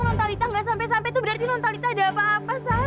nontalita nggak sampai sampai tuh berarti nontalita ada apa apa sar